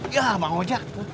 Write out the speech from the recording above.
yah bang hoja